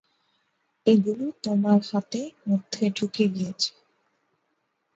এগুলো তোমার হাতে মধ্যে ঢুকে গিয়েছে।